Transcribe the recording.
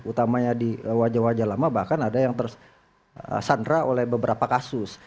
utamanya di wajah wajah lama bahkan ada yang tersandra oleh beberapa kasus